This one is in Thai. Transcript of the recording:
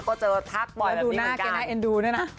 ก็เจอทักบ่อยแบบนี้เหมือนกัน